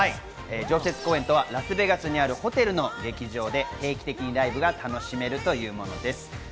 常設公演とはラスベガスにあるホテルの劇場で定期的にライブが楽しめるというものです。